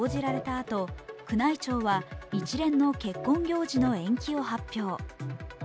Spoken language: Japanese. あと宮内庁は一連の結婚行事の延期を発表。